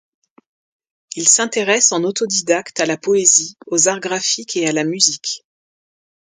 Il s'intéresse en autodidacte à la poésie, aux art graphiques et à la musique.